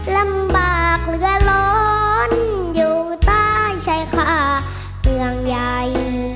ลำบากเหลือโหลนอยู่ต้านใช่ค่ะเพืองใหญ่